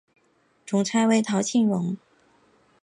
总裁为陶庆荣。